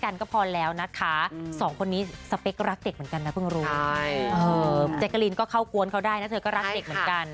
เออแจ๊กกะลินก็เข้ากวนเขาได้นะเธอก็รักเด็กเหมือนกัน